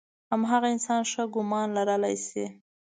هماغه انسان ښه ګمان لرلی شي.